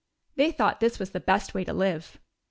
They thought this was the best way to live.